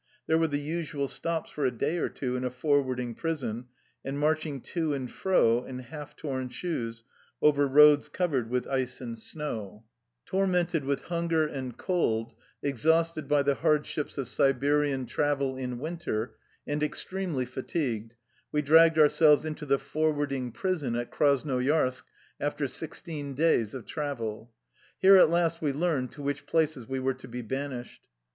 There were the usual stops for a day or two in a forwarding prison, and march ing to and fro, in half torn shoes, over roads cov ered with ice and snow. 6 Sleeping platforms. 94 THE LIFE STOEY OF A RUSSIAN EXILE Tormented with hunger and cold, exhausted by the hardships of Siberian travel in winter, and extremely fatigued we dragged ourselves into the forwarding prison at Krasnoyarsk after sixteen days of travel. Here at last we learned to which places we were to be banished.